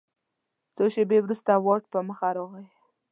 څو شیبې وروسته واټ په مخه راغی.